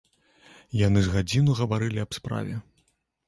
Яны з гадзіну гаварылі аб справе.